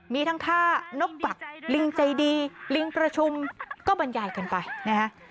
มีทั้งท่านกบักลิงใจดีลิงประชุมก็บรรยายกันไปนะฮะ